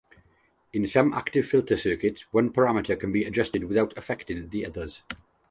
In some active filter circuits, one parameter can be adjusted without affecting the others.